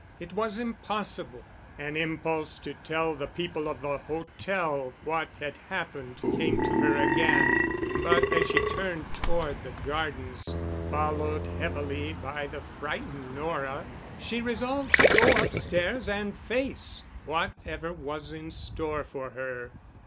It was impossible. An impulse to tell the people of the hotel what had happened came to her again, but as she turned toward the gardens, followed heavily by the frightened Nora, she resolved to go upstairs and face whatever was in store for her.